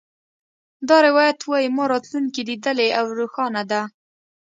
دا روایت وایي ما راتلونکې لیدلې او روښانه ده